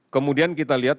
kemudian kita lihat